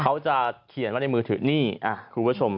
เขาจะเขียนไว้ในมือถือนี่คุณผู้ชม